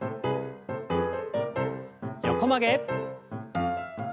横曲げ。